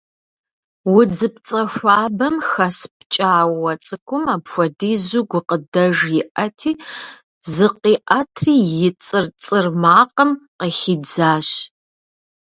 Удзыпцӏэ хуабэм хэс пкӏауэ цӏыкӏум апхуэдизу гукъыдэж иӏэти, зыкъиӏэтри, и цӏыр-цӏыр макъым къыхидзащ.